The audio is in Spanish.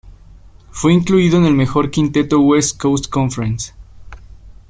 Fue incluido en el Mejor Quinteto West Coast Conference.